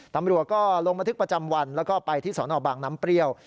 ตำรวจก็ลงบันทึกประจำวันแล้วก็ไปที่สนบางน้ำเปรี้ยว